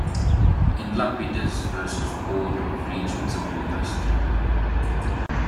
In Lapides versus Board of Regents of Univ.